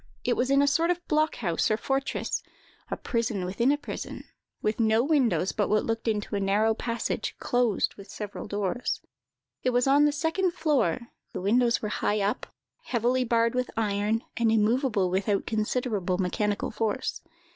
It was in a sort of block house or fortress—a prison within a prison—with no windows but what looked into a narrow passage, closed with several doors. It was on the second floor; the windows were high up, heavily barred with iron, and immovable without considerable mechanical force.